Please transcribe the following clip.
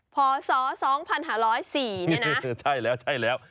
พศ๒๕๐๔นี่นะใช่แล้ว